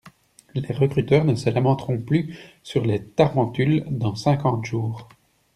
Les recteurs ne se lamenteront plus sur les tarentules dans cinquante jours.